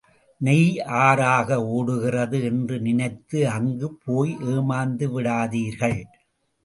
நெய் ஆறாக ஓடுகிறது என்று நினைத்து அங்கு போய் ஏமாந்து விடாதீர்கள்.